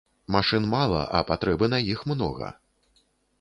Машын мала, а патрэбы на іх многа.